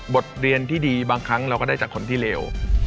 บทเรียนที่ดีบางครั้งเราก็ได้จากคนที่เลว